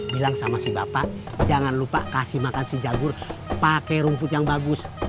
bilang sama si bapak jangan lupa kasih makan si jagur pakai rumput yang bagus